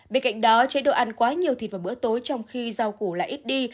bên cạnh đó chế đồ ăn quá nhiều thịt vào bữa tối trong khi dầu củ lại ít đi